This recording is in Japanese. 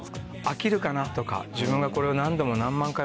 飽きるかなとか自分がこれを何度も。